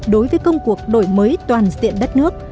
đối với công cuộc đổi mới toàn diện đất nước